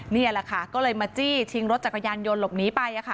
นี่แหละค่ะก็เลยมาจี้ชิงรถจักรยานยนต์หลบหนีไป